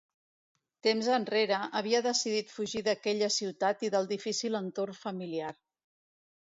Temps enrere havia decidit fugir d'aquella ciutat i del difícil entorn familiar.